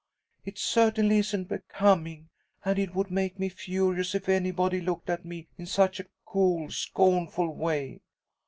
It certainly isn't becoming, and it would make me furious if anybody looked at me in such a cool, scornful way.